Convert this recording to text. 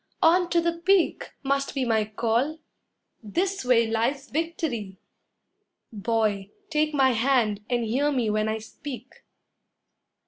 On to the peak, Must be my call this way lies victory! Boy, take my hand and hear me when I speak.